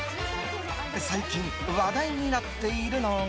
最近、話題になっているのは。